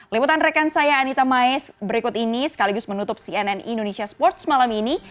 liputan rekan saya anita maes berikut ini sekaligus menutup cnn indonesia sports malam ini